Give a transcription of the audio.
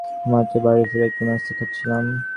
আমি মাত্রই বাড়ি ফিরে একটু নাস্তা খাচ্ছিলাম।